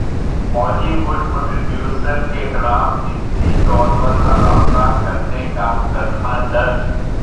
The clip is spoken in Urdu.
ہولی وڈ پروڈیوسر کےخلاف جنسی طور پر ہراساں کرنے کا مقدمہ درج